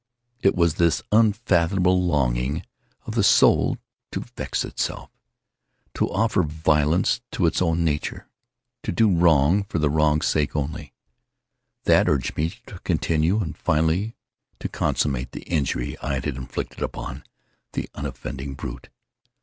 It was this unfathomable longing of the soul to vex itself—to offer violence to its own nature—to do wrong for the wrong's sake only—that urged me to continue and finally to consummate the injury I had inflicted upon the unoffending brute.